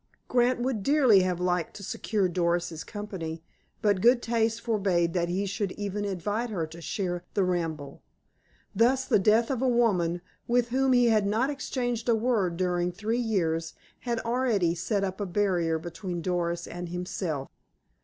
Grant would dearly have liked to secure Doris's company, but good taste forbade that he should even invite her to share the ramble. Thus, the death of a woman with whom he had not exchanged a word during three years had already set up a barrier between Doris and himself.